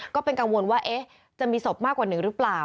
ก็เป็นกังวลว่าจะมีศพมากกว่าหนึ่งหรือเปล่า